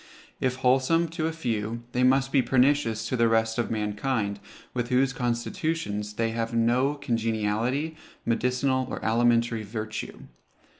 If wholesome to a few, they must be pernicious to the rest of mankind, with whose constitutions they have no congeniality, medicinal or alimentary virtue.